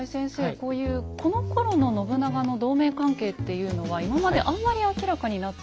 こういうこのころの信長の同盟関係っていうのは今まであんまり明らかになってないんでしょうか。